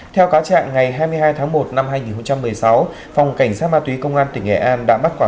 theo cáo trạng ngày hai mươi hai tháng một năm hai nghìn một mươi sáu phòng cảnh sát ma túy công an tỉnh nghệ an đã bắt quả